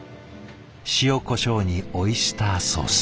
塩コショウにオイスターソース。